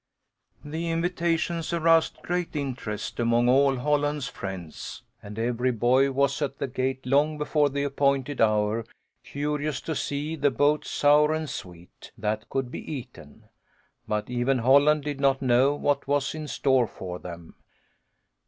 The invitations aroused great interest among all Holland's friends, and every boy was at the gate long before the appointed hour, curious to see the " boats sour and sweet " that could be eaten. But even Holland did not know what was in store for them.